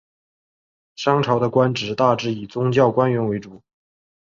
商朝的官职大致以宗教官员为主。